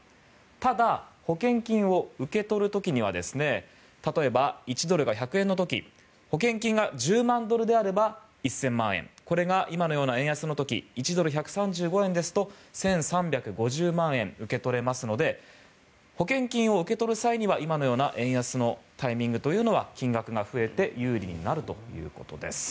ただ、保険金を受け取る時には例えば、１ドルが１００円の時保険金が１０万ドルであれば１０００万円これが今のような円安の時１ドル＝１３５円ですと１３５０万円受け取れますので保険金を受け取る際には今のような円安のタイミングは金額が増えて有利になるということです。